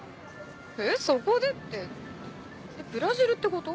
えっそこでってブラジルってこと？